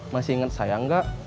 masih inget saya enggak